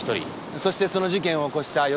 そしてその事件を起こしたよ